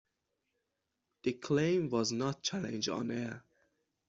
The claim was not challenged on air.